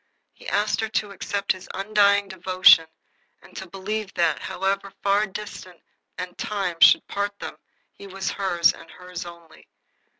He asked her to accept his undying devotion, and to believe that, however far distance and time should part them, he was hers and hers only.